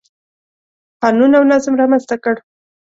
قانون او نظم رامنځته کړ.